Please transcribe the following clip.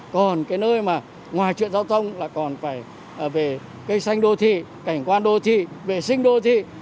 còn cái nơi mà ngoài chuyện giao thông lại còn phải về cây xanh đô thị cảnh quan đô thị vệ sinh đô thị